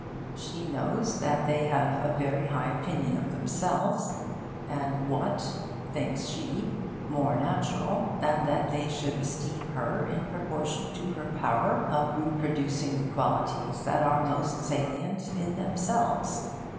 She knows that they have a very high opinion of themselves; and what, thinks she, more natural than that they should esteem her in proportion to her power of reproducing the qualities that are most salient in themselves?